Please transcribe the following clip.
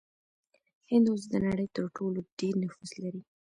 هند اوس د نړۍ تر ټولو ډیر نفوس لري.